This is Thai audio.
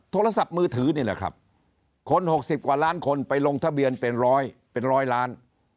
โทรศัพท์มือถือนี่แหละครับคน๖๐กว่าล้านคนไปลงทะเบียนเป็นร้อยเป็นร้อยล้าน